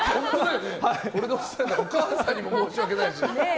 お母さんにも申し訳ないし。